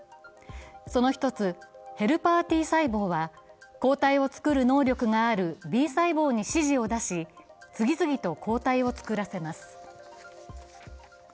その一つ、ヘルパーＴ細胞は抗体を作る能力があるＢ細胞に指示を出し、次々と抗体を作らせます。